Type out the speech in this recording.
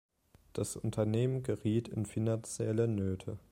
Das Unternehmen geriet in finanzielle Nöte.